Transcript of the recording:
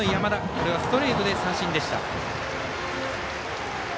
これはストレートで三振でした。